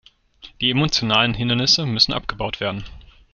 Die emotionalen Hindernisse müssen abgebaut werden.